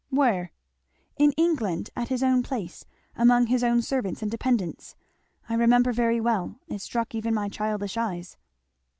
"Where?" "In England at his own place among his own servants and dependents. I remember very well it struck even my childish eyes."